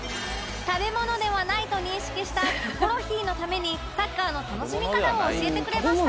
食べ物ではないと認識した『キョコロヒー』のためにサッカーの楽しみ方を教えてくれました